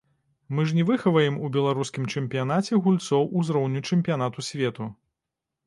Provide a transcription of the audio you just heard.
Мы ж не выхаваем у беларускім чэмпіянаце гульцоў узроўню чэмпіянату свету.